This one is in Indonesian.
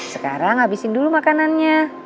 sekarang habisin dulu makanannya